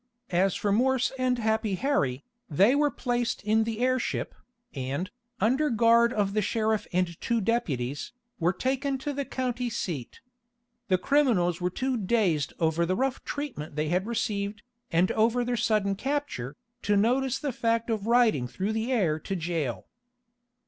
As for Morse and Happy Harry, they were placed in the airship, and, under guard of the sheriff and two deputies, were taken to the county seat. The criminals were too dazed over the rough treatment they had received, and over their sudden capture, to notice the fact of riding through the air to jail.